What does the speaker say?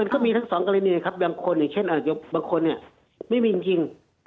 ก็มีทั้งสองกรณีนะครับบางคนอย่างเช่นอาจจะบางคนไม่มีจริง